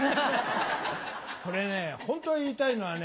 これねホント言いたいのはね